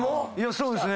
そうですね。